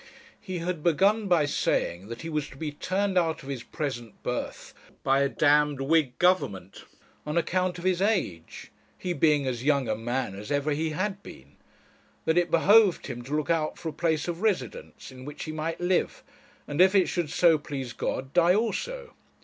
He had begun by saying that he was to be turned out of his present berth by a d Whig Government on account of his age, he being as young a man as ever he had been; that it behoved him to look out for a place of residence, in which he might live, and, if it should so please God, die also.